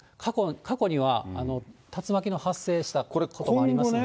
過去には竜巻の発生したこともありますので。